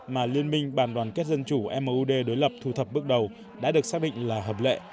mà liên minh bàn đoàn kết dân chủ mud đối lập thu thập bước đầu đã được xác định là hợp lệ